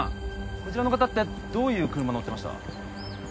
こちらの方ってどういう車乗ってました？